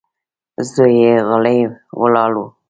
زوی يې غلی ولاړ و.